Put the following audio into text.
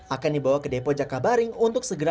akan dibawa ke depo jakabaring untuk segera